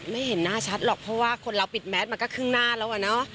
เห็นหน้าชัดหรอกเพราะว่าคนเราปิดแมสมาก็ครึ่งหน้าแล้วอะเนาะ